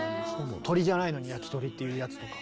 鶏じゃないのにやきとりっていうやつとか。